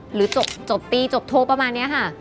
หรือจบตีจบโทรประมาณนี้ค่ะ